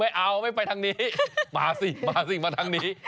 ไม่เอาไม่ไปทางนี้มาสิมาสิมาทางนี้